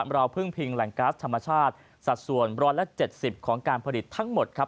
เราพึ่งพิงแหล่งก๊าซธรรมชาติสัดส่วน๑๗๐ของการผลิตทั้งหมดครับ